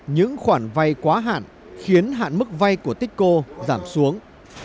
những khoản vay quá hạn khiến hạn mức vay của tích cô giảm xuống